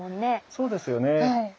そうですよね。